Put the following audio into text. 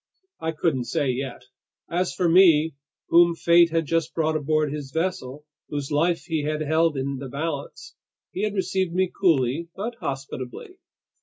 I couldn't say yet. As for me, whom fate had just brought aboard his vessel, whose life he had held in the balance: he had received me coolly but hospitably.